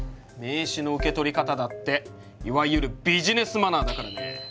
名刺の受け取り方だっていわゆるビジネスマナーだからね。